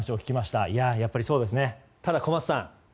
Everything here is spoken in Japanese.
ただ小松さん。